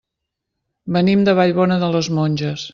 Venim de Vallbona de les Monges.